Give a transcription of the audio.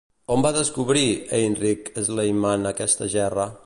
On va descobrir, Heinrich Schliemann, aquesta gerra?